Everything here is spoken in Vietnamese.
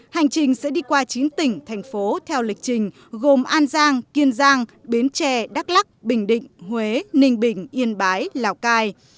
hành trình sẽ đi qua chín tỉnh thành phố theo lịch trình gồm an giang kiên giang bến tre đắk lắc bình định huế ninh bình yên bái lào cai